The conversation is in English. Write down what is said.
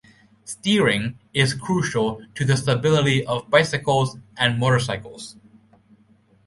Steering is crucial to the stability of bicycles and motorcycles.